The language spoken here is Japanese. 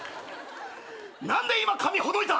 何で今髪ほどいた！？